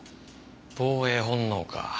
防衛本能か。